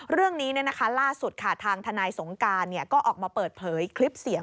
เรื่องนี้ล่าสุดค่ะทางทนายสงการก็ออกมาเปิดเผยคลิปเสียง